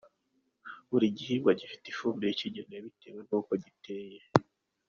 Buri gihinga gifite ifumbire ikigenewe bitewe n’uko giteye.